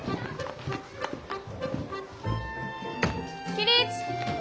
起立！